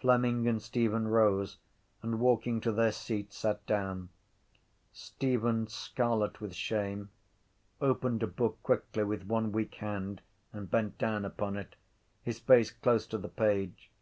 Fleming and Stephen rose and, walking to their seats, sat down. Stephen, scarlet with shame, opened a book quickly with one weak hand and bent down upon it, his face close to the page.